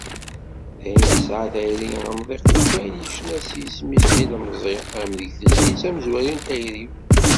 Daɣen, tesɛa tayri amḍiq deg wayen yecna s yisem-is d ilemẓi, am deg tezlit "Amezruy n tayri-w."